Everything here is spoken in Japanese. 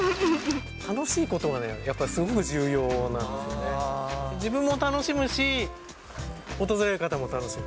楽しいことがすごく重要なんでね、自分も楽しむし、訪れた方も楽しむ。